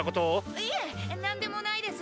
・いえ何でもないです！